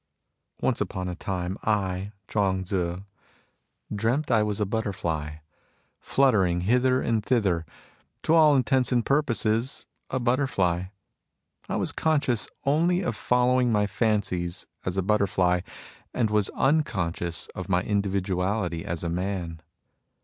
Once upon a time, I, Chuang Tzu, dreamt D 60 MUSINGS OF A CHINESE MYSTIC I was a butterfly, fluttering hither and thither, to all intents and purposes a butterfly. I was conscious only of following my fancies as a butterfly, and was unconscious of my individu ality as a man.